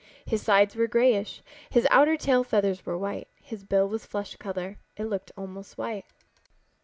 His sides were grayish. His outer tail feathers were white. His bill was flesh color. It looked almost white.